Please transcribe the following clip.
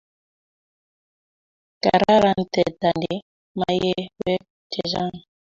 Kararan teta ne maye peek chechang